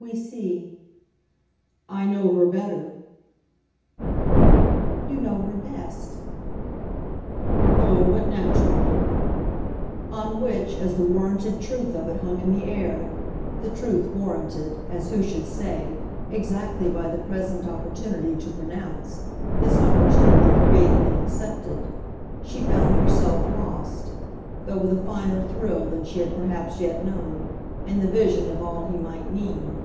"We see." "I know her better." "You know her best." "Oh, but naturally!" On which, as the warranted truth of it hung in the air the truth warranted, as who should say, exactly by the present opportunity to pronounce, this opportunity created and accepted she found herself lost, though with a finer thrill than she had perhaps yet known, in the vision of all he might mean.